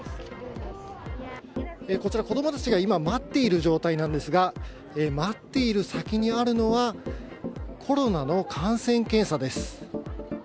こちら、子どもたちが今待っている状態なんですが、待っている先にあるのは、コロナの感染検査です。